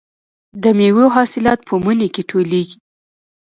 د میوو حاصلات په مني کې ټولېږي.